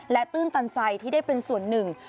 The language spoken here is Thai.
ตื้นตันใจที่ได้เป็นส่วนหนึ่ง